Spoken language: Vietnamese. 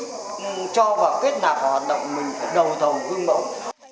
kết nạp hoạt động mình đầu thầu vương bổng